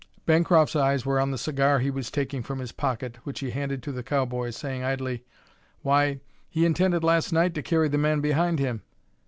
Bancroft's eyes were on the cigar he was taking from his pocket, which he handed to the cowboy, saying idly, "Why, he intended last night to carry the man behind him.